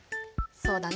そうだね。